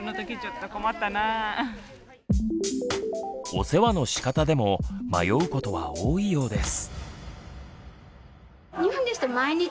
お世話のしかたでも迷うことは多いようです。